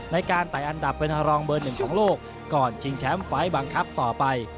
ในการไตอันดับเป็นทรลองเบอร์๑ของโลกก่อนชิงแชมป์ไฟล์ต์บังคับต่อไป